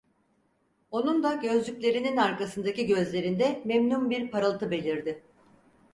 Onun da gözlüklerinin arkasındaki gözlerinde memnun bir parıltı belirdi.